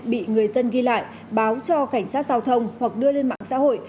bị người dân ghi lại báo cho cảnh sát giao thông hoặc đưa lên mạng xã hội